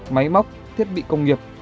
máy móc thiết bị công nghiệp